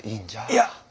いや！